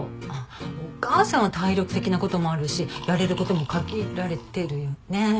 お義母さんは体力的な事もあるしやれる事も限られてるよね。